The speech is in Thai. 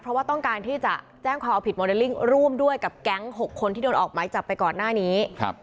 เพราะว่าต้องการที่จะแจ้งความเอาผิดโมเดลลิ่งร่วมด้วยกับแก๊ง๖คนที่โดนออกไม้จับไปก่อนหน้านี้